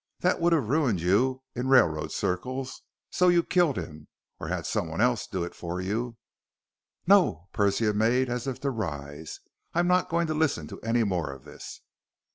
That would have ruined you in railroad circles. So you killed him or had someone do it for you." "No!" Persia made as if to rise. "I'm not going to listen to any more of this."